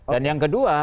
dan yang kedua